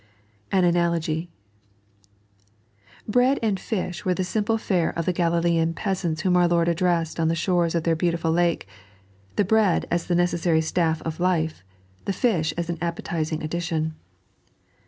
An AnALOai. Bread and fish were the simple fare of the Galilean peasants whom our Lord addressed on the shores of their own beaut^ul lake—the bread as the neces sary staff of life ; the fish as an appetising addition.